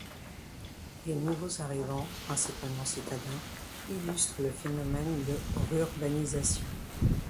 Les nouveaux arrivants, principalement citadins, illustrent le phénomène de rurbanisation.